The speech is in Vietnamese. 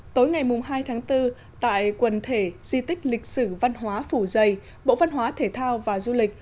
tối ngày hai tháng bốn tại quần thể di tích lịch sử văn hóa phủ dây bộ văn hóa thể thao và du lịch